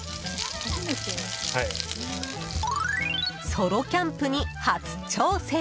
ソロキャンプに初挑戦！